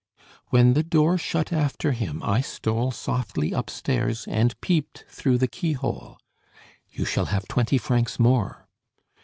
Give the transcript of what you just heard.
"When the door shut after him, I stole softly up stairs, and peeped through the keyhole." "You shall have twenty francs more."